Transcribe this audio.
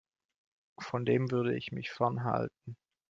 Von dem würde ich mich fernhalten.